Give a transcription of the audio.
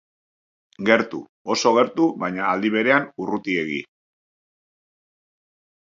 Gertu, oso gertu, baina aldi berean urrutiegi.